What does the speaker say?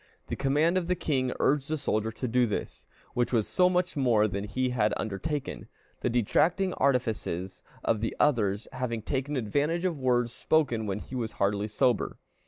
The command of the king urged the soldier to do this, which was so much more than he had undertaken, the detracting artifices of the others having taken advantage of words spoken when he was hardly sober.